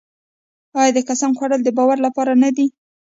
آیا د قسم خوړل د باور لپاره نه وي؟